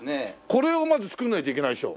これをまず作らないといけないでしょ？